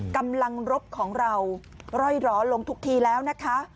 กำลังรบของเราร่อยร้อนลงทุกทีแล้วนะคะ